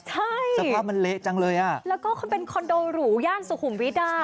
ใช่สภาพมันเละจังเลยอ่ะแล้วก็เขาเป็นคอนโดหรูย่านสุขุมวิดา